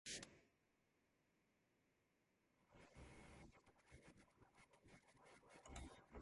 And for two seconds, no longer, she clasped him and kissed him.